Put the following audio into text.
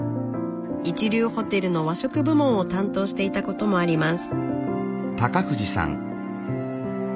一流ホテルの和食部門を担当していたこともあります。